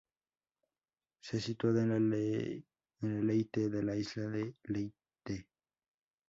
Se situada en la de Leyte en la isla de Leyte.